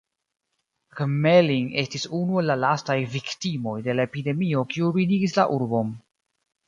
Gmelin estis unu el la lastaj viktimoj de la epidemio kiu ruinigis la urbon.